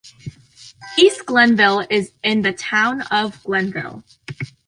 East Glenville is in the town of Glenville.